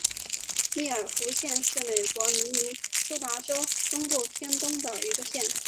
密尔湖县是美国明尼苏达州中部偏东的一个县。